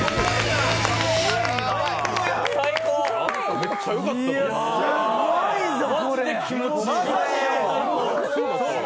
めっちゃよかったな。